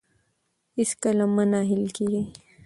هیڅکله مه نه هیلي کیږئ.